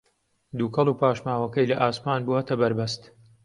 دووکەڵ و پاشماوەکەی لە ئاسمان بووەتە بەربەست